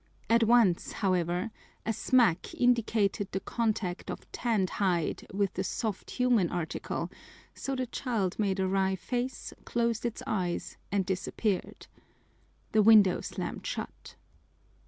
At once, however, a smack indicated the contact of tanned hide with the soft human article, so the child made a wry face, closed its eyes, and disappeared. The window slammed shut.